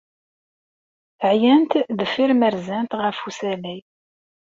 Ɛyant deffir ma rzant ɣef usalay.